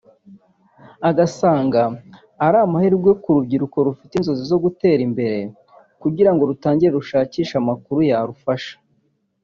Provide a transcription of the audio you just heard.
Agasanga ari amahirwe ku rubyiruko rufite inzozi zo gutera imbere kugira ngo rutangire rushakishe amakuru yarufasha